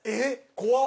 怖っ！